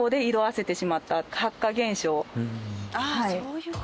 ああそういう事。